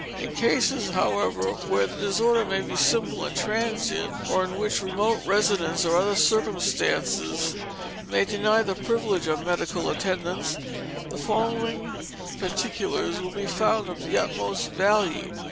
In cases, however, where the disorder may be simple and transient, or in which remote residence, or other circumstances, may deny the privilege of medical attendance, the following particulars will be found of the utmost value.